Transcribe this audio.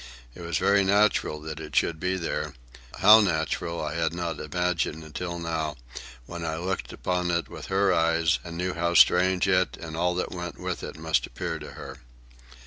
It was very natural that it should be there,—how natural I had not imagined until now, when I looked upon it with her eyes and knew how strange it and all that went with it must appear to her.